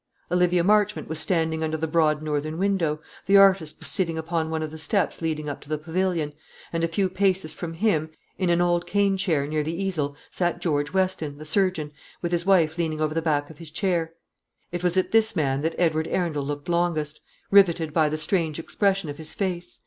Olivia Marchmont was standing under the broad northern window; the artist was sitting upon one of the steps leading up to the pavilion; and a few paces from him, in an old cane chair near the easel, sat George Weston, the surgeon, with his wife leaning over the back of his chair. It was at this man that Edward Arundel looked longest, riveted by the strange expression of his face.